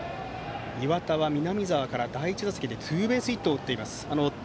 岩田は南澤から第１打席でツーベースヒットを打っています。